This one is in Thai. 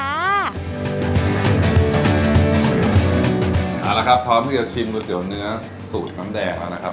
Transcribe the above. เอาละครับพร้อมที่จะชิมก๋วยเตี๋ยวเนื้อสูตรน้ำแดงแล้วนะครับ